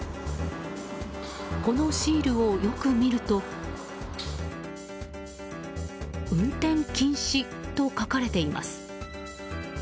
このシールをよく見ると「運転禁止」と書かれています。